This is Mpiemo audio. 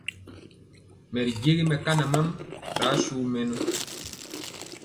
Mɛ ri jegi mɛkana mam ri asu mɛnɔ.